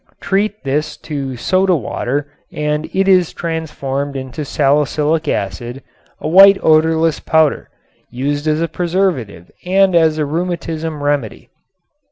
Treat this to soda water and it is transformed into salicylic acid, a white odorless powder, used as a preservative and as a rheumatism remedy.